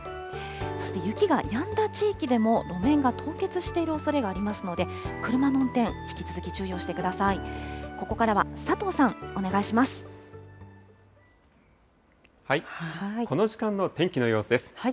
そして、雪がやんだ地域でも、路面が凍結しているおそれがありますので、車の運転、引き続き注意をしてください。